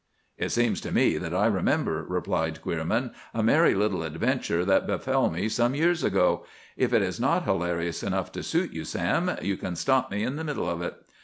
"It seems to me that I remember," replied Queerman, "a merry little adventure that befell me some years ago. If it is not hilarious enough to suit you, Sam, you can stop me in the middle of it.